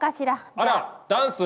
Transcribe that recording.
あらダンス！